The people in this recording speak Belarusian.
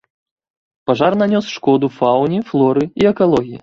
Пажар нанёс шкоду фауне, флоры і экалогіі.